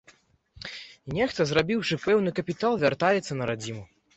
Нехта, зарабіўшы пэўны капітал, вяртаецца на радзіму.